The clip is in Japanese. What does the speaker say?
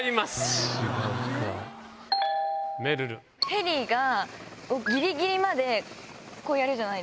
ヘリがギリギリまでこうやる。